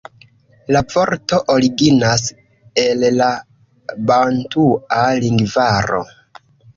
La vorto originas el la bantua lingvaro.